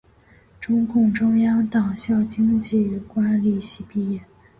中共中央党校经济管理系毕业。